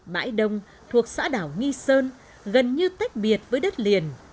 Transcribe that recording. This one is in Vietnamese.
bãi đông thuộc xã đảo nghi sơn gần như tách biệt với đất liền